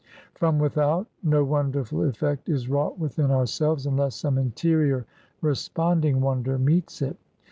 From without, no wonderful effect is wrought within ourselves, unless some interior, responding wonder meets it.